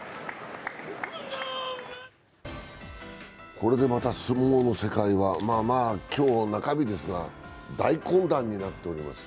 これでまた、相撲の世界はまあ今日、中日ですが、大混乱になっております。